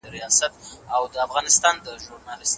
د بدن نظافت وساتئ.